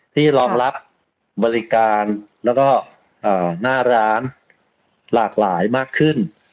รองรับบริการแล้วก็หน้าร้านหลากหลายมากขึ้น